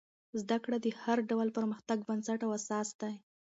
زده کړه د هر ډول پرمختګ بنسټ او اساس دی.